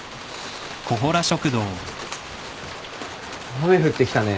雨降ってきたね。